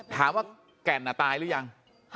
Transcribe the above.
ถามว่าแก่นอ่ะตายหรือยัง